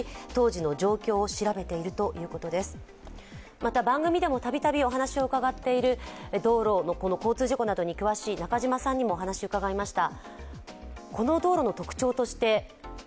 また番組でもたびたびお話を伺っている道路の交通事故にも詳しい中島さんにもお話を伺いました。